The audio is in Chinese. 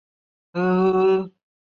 是稻米集散地。